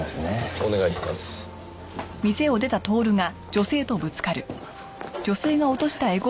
お願いします。